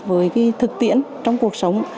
với thực tiễn trong cuộc sống